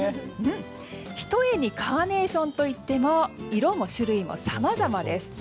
ひとえにカーネーションといっても色も種類もさまざまです。